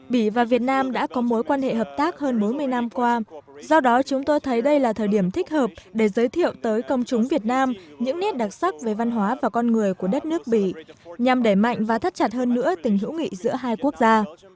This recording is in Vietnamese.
bỉ và việt nam đã có mối quan hệ hợp tác hơn bốn mươi năm qua do đó chúng tôi thấy đây là thời điểm thích hợp để giới thiệu tới công chúng việt nam những nét đặc sắc về văn hóa và con người của đất nước bỉ nhằm đẩy mạnh và thắt chặt hơn nữa tình hữu nghị giữa hai quốc gia